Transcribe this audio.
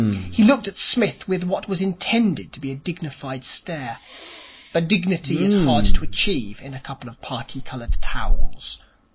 He looked at Psmith with what was intended to be a dignified stare. But dignity is hard to achieve in a couple of parti coloured towels.